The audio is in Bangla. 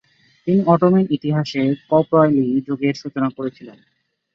তিনি অটোমান ইতিহাসে কপ্রালি যুগের সূচনা করেছিলেন।